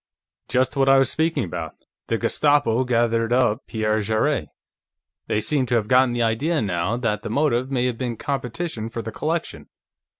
"Just what I was speaking about. The Gestapo gathered up Pierre Jarrett; they seem to have gotten the idea, now, that the motive may have been competition for the collection.